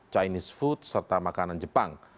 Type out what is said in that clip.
chinese food serta makanan jepang